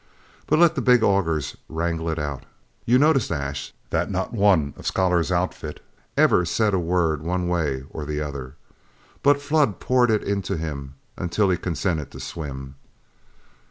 But let the big augers wrangle it out; you noticed, Ash, that riot one of Scholar's outfit ever said a word one way or the other, but Flood poured it into him until he consented to swim.